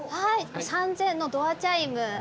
３０００のドアチャイム。